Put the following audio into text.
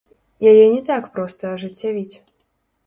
Яе не так проста ажыццявіць.